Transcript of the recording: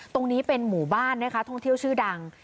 ตรงนี้เป็นหมู่บ้านนะคะท่องเที่ยวชื่อดัง